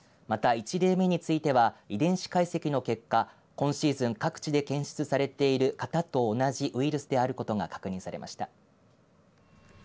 また、１例目については遺伝子解析の結果今シーズン各地で検出されている型と同じウイルスであることが確認されました。